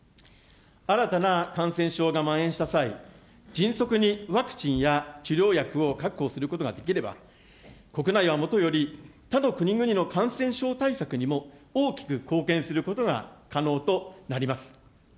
新たな感染症がまん延した際、迅速にワクチンや治療薬を確保することができれば、国内はもとより、他の国々の感染症対策にも大きく貢献することが可能となります。